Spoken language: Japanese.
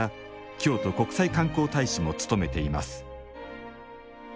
京都国際観光大使も務めています。